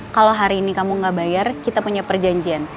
kalau hari ini kamu gak bayar kita punya perjanjian